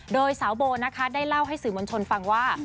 โดยสาวโบนะคะได้เล่าให้สื่อมวลชนฟังว่า